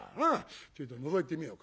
ちょいとのぞいてみようか。